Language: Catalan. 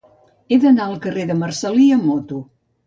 He d'anar al carrer de Marcel·lí amb moto.